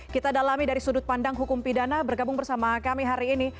kita dalami dari sudut pandang hukum pidana bergabung bersama kami hari ini